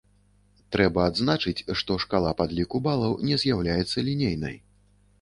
Трэба адзначыць, што шкала падліку балаў не з'яўляецца лінейнай.